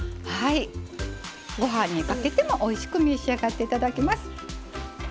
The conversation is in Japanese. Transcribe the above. ご飯にかけてもおいしく召し上がっていただけます。